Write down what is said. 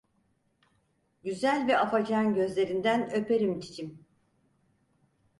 Güzel ve afacan gözlerinden öperim cicim…